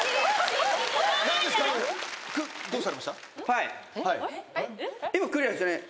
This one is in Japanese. はい。